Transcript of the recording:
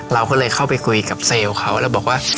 เราก็เลยเข้าไปคุยกับเซลล์เขาแล้วบอกว่า